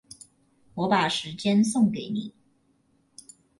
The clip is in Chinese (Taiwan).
我把時間送給你